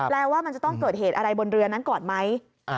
ว่ามันจะต้องเกิดเหตุอะไรบนเรือนั้นก่อนไหม